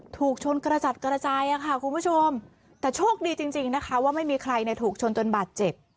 ถูกชนกระจัดกระจายอะค่ะคุณผู้ชมแต่โชคดีจริงนะคะว่ามันไม่มีใครในถูกชนตนบัตรเจ็บ